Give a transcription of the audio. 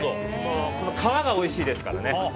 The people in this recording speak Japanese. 皮がおいしいですからね。